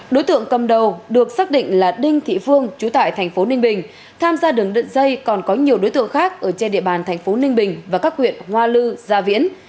đối tượng cầm đầu được xác định là đinh thị phương trú tại thành phố ninh bình tham gia đường đận dây còn có nhiều đối tượng khác ở trên địa bàn thành phố ninh bình và các huyện hoa lư gia viễn